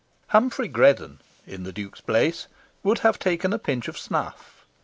XV Humphrey Greddon, in the Duke's place, would have taken a pinch of snuff.